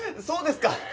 そうですか。